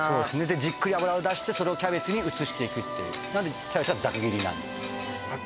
じっくり脂を出してそれをキャベツに移していくっていうなんでキャベツはざく切りなんです